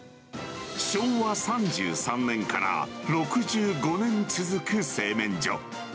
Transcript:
昭和３３年から６５年続く製麺所。